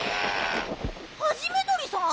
ハジメどりさん！？